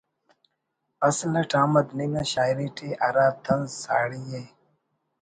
اصل اٹ احمد نعیم نا شاعری ٹی ہرا طنزساڑی ءِ